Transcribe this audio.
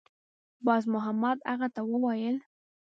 بازمحمد هغه ته وویل